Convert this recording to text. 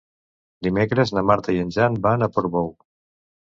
Dimecres na Marta i en Jan van a Portbou.